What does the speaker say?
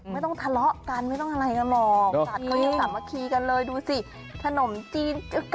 ไม่ต้องทะเลาะกันไม่ต้องอะไรกันหรอก